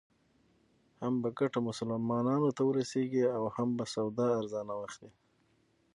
هم به ګټه مسلمانانو ته ورسېږي او هم به سودا ارزانه واخلې.